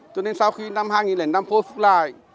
cho nên sau khi năm hai nghìn đến năm bốn phút lại